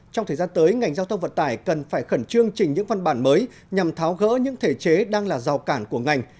trong thời gian tới ngành giao thông vận tải cần phải khẩn trương trình những văn bản mới nhằm tháo gỡ những thể chế đang là rào cản của ngành